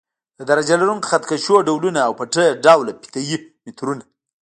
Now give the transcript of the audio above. د درجه لرونکو خط کشونو ډولونه او پټۍ ډوله فیته یي مترونه.